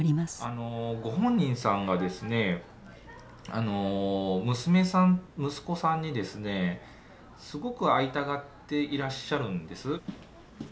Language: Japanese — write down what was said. あのご本人さんがですね娘さん息子さんにですねすごく会いたがっていらっしゃるんです。